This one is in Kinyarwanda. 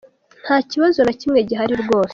Nta kibazo na kimwe gihari rwose.